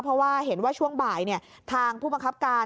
เพราะว่าเห็นว่าช่วงบ่ายทางผู้บังคับการ